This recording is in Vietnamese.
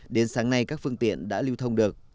đến sáng nay các phương tiện đã lưu thông được